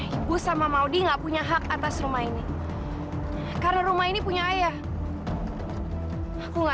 ibu sama maudie enggak punya hak atas rumah ini karena rumah ini punya ayah aku nggak